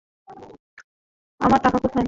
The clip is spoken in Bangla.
আমার টাকা কোথায়?